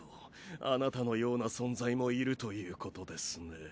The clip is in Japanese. あなたのような存在もいるということですね。